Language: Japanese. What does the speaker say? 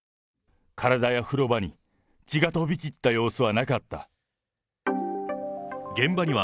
体や風呂場に血が飛び散った様子はなかった。